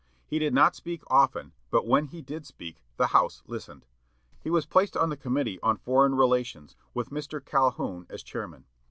He did not speak often, but when he did speak the House listened. He was placed on the committee on Foreign Relations, with Mr. Calhoun as chairman.